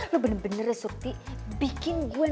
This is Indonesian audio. lo bener bener surti bikin gue naik darah